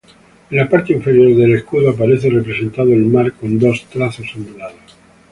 En la parte inferior del escudo aparece representado el mar con dos trazos ondulados.